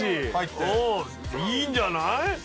いいんじゃない？